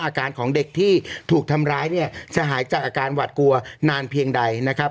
อาการของเด็กที่ถูกทำร้ายเนี่ยจะหายจากอาการหวัดกลัวนานเพียงใดนะครับ